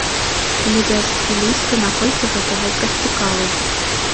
Глядзяць стылісты, наколькі гэты вобраз цікавы.